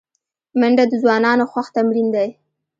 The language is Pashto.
منډه د ځوانانو خوښ تمرین دی